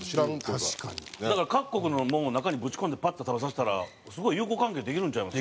だから各国のもんを中にぶち込んでパッて食べさせたらすごい友好関係できるんちゃいます？